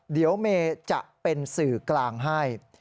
เดี๋ยวเมย์จะเป็นสื่อกลางให้